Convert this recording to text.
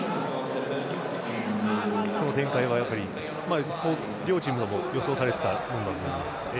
この展開は、両チーム予想されていたものだと思います。